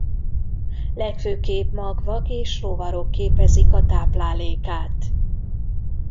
Legfőképp magvak és rovarok képezik a táplálékát.